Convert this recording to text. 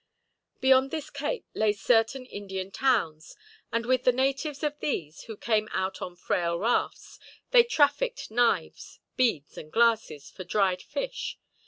Beyond this Cape lay certain Indian towns, and with the natives of these, who came out on frail rafts, they trafficked knives, beads, and glasses, for dried fish.